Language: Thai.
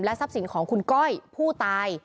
ทรัพย์สินของคุณก้อยผู้ตาย